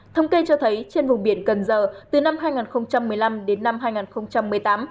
thông kê cho thấy trên vùng biển cần giờ từ năm hai nghìn một mươi năm đến năm hai nghìn một mươi tám